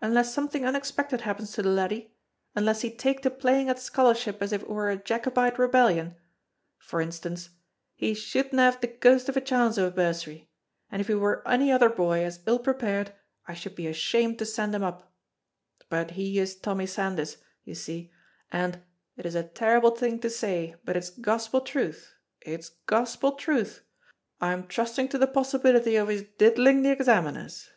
Unless something unexpected happens to the laddie unless he take to playing at scholarship as if it were a Jacobite rebellion, for instance he shouldna have the ghost of a chance of a bursary, and if he were any other boy as ill prepared I should be ashamed to send him up, but he is Tommy Sandys, you see, and it is a terrible thing to say, but it's Gospel truth, it's Gospel truth I'm trusting to the possibility of his diddling the examiners!"